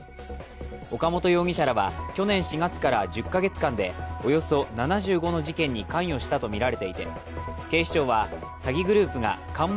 岡本容疑者らは去年４月から１０か月間でおよそ７５の事件に関与したとみられていて警視庁は詐欺グループが、